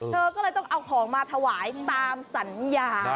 เธอก็เลยต้องเอาของมาถวายตามสัญญา